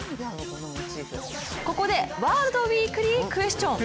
ここでワールドウィークリークエスチョン。